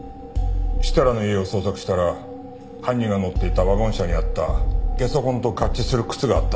設楽の家を捜索したら犯人が乗っていたワゴン車にあったゲソ痕と合致する靴があった。